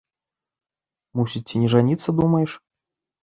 Мусіць, ці не жаніцца думаеш?